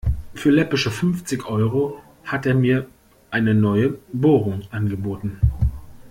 Für läppische fünfzig Euro hat er mir eine neue Bohrung angeboten.